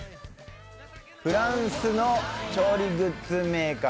フランスの調理グッズメーカー